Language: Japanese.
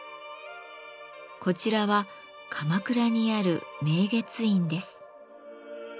こちらは鎌倉にある明月院です。